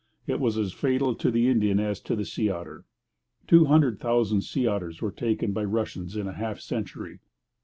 It was as fatal to the Indian as to the sea otter. Two hundred thousand sea otters were taken by the Russians in half a century.